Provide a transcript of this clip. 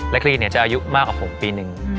และครีนจะอายุมากกว่าผมปีหนึ่ง